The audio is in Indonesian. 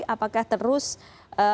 apakah terus ee